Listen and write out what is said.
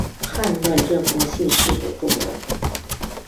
判断这封信是否重要